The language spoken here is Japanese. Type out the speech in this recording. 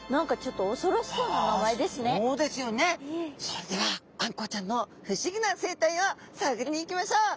それではあんこうちゃんの不思議な生態をさぐりに行きましょう。